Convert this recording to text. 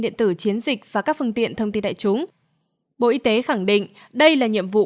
điện tử chiến dịch và các phương tiện thông tin đại chúng bộ y tế khẳng định đây là nhiệm vụ